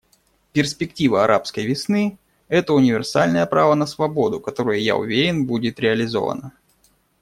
Перспектива «арабской весны» — это универсальное право на свободу, которое, я уверен, будет реализовано.